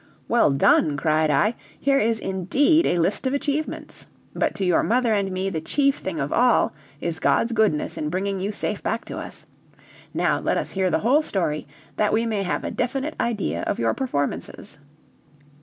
"Well done!" cried I; "here is indeed a list of achievements. But to your mother and me, the chief thing of all, is God's goodness in bringing you safe back to us. Now, let us hear the whole story, that we may have a definite idea of your performances."